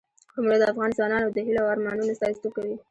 قومونه د افغان ځوانانو د هیلو او ارمانونو استازیتوب کوي.